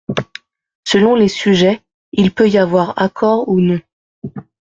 Selon les sujets, il peut y avoir accord ou non.